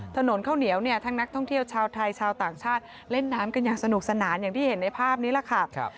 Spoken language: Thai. ถนนข้าวเหนียวเนี่ยทั้งนักท่องเที่ยวชาวไทยชาวต่างชาติเล่นน้ำกันอย่างสนุกสนานอย่างที่เห็นในภาพนี้แหละค่ะ